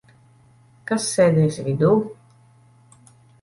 Kas sēdēs vidū?